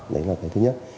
đấy là cái thứ nhất